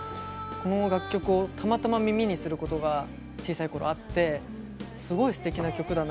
この楽曲をたまたま耳にすることが小さい頃あってすごいすてきな曲だな